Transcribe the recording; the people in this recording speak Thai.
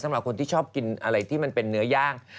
สำหรับคนที่ชอบกินอะไรที่มันเป็นเนื้อย่าง